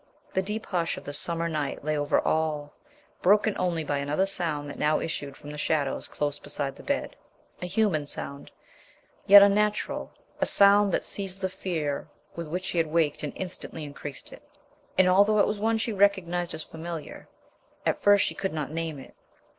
The deep hush of the summer night lay over all, broken only by another sound that now issued from the shadows close beside the bed, a human sound, yet unnatural, a sound that seized the fear with which she had waked and instantly increased it. And, although it was one she recognized as familiar, at first she could not name it.